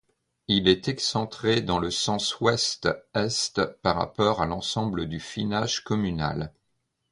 Il est excentré dans le sens ouest-est par rapport à l'ensemble du finage communal.